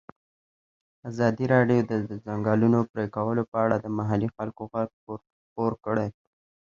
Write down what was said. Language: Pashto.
ازادي راډیو د د ځنګلونو پرېکول په اړه د محلي خلکو غږ خپور کړی.